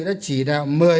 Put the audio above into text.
đã chỉ đạo